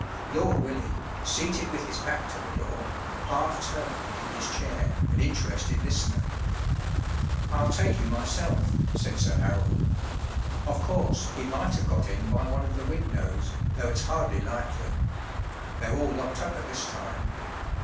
Lord Willie, seated with his back to the door, half turned in his chair, an interested listener. “ I’ll take you myself,” said Sir Harold. “ Of course, he might have got in by one of the windows, though it’s hardly likely. They’re all locked up at this time.